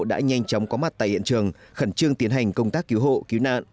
đã nhanh chóng có mặt tại hiện trường khẩn trương tiến hành công tác cứu hộ cứu nạn